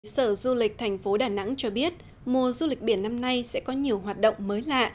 sở du lịch thành phố đà nẵng cho biết mùa du lịch biển năm nay sẽ có nhiều hoạt động mới lạ